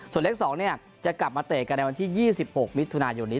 ส่วนเลข๒จะกลับมาเตะกันในวันที่๒๖มิถุนายนนี้